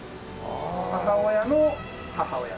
母親の母親。